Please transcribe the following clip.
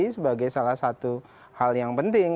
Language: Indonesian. sebagai salah satu hal yang penting